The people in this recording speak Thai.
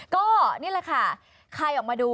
ก็นี่แหละค่ะคลายออกมาดู